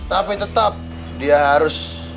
tapi tetap dia harus